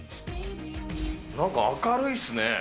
なんか明るいっすね。